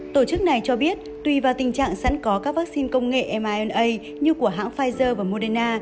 tổ chức này cho biết tùy vào tình trạng sẵn có các vaccine công nghệ myna như của hãng pfizer và moderna